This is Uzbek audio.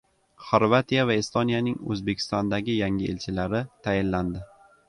Xorvatiya va Estoniyaning O‘zbekistondagi yangi elchilari tayinlandi